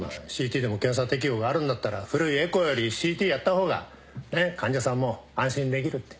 ＣＴでも検査適応があるんだったら古いエコーよりＣＴやった方が患者さんも安心できるって。